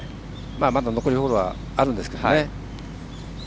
まだ残りホールはあるんですけど。